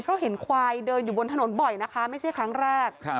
เพราะเห็นควายเดินอยู่บนถนนบ่อยนะคะไม่ใช่ครั้งแรก